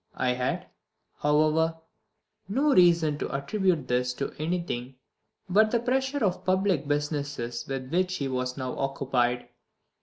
I had, however, no reason to attribute this to anything but the pressure of public business with which he was now occupied.